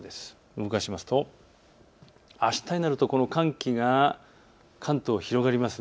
動かすと、あしたになるとこの寒気が関東に広がります。